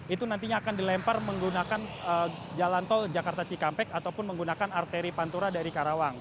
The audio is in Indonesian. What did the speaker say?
itu nantinya akan dilempar menggunakan jalan tol jakarta cikampek ataupun menggunakan arteri pantura dari karawang